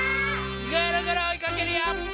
ぐるぐるおいかけるよ！